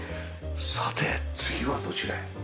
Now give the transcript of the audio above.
さて次はどちらへ？